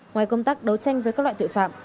ngoài công tác đấu tranh với các loại tội phạm